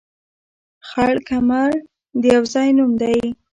خړ کمر د يو ځاى نوم دى